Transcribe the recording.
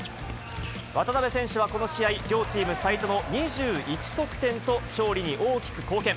渡邊選手はこの試合、両チーム最多の２１得点と、勝利に大きく貢献。